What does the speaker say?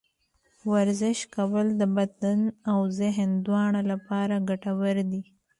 ورزش کول د بدن او ذهن دواړه لپاره ګټور دي.